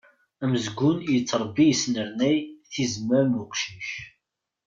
Amezgun yettrebbi yesnernay tizemmar n uqcic.